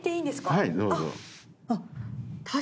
はいどうぞ。